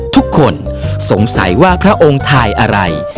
ทุกคนสงสัยว่าพระองค์ทายอะไร